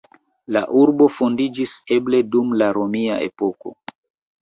La urbo fondiĝis eble dum la romia epoko.